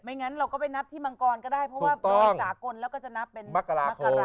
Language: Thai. งั้นเราก็ไปนับที่มังกรก็ได้เพราะว่ารอยสากลแล้วก็จะนับเป็นมกรามกรา